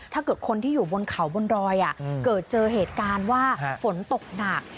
ถ้าเกิดคนที่อยู่บนเขาบนรอยเกิดเจอเหตุการณ์ว่าฝนตกหนัก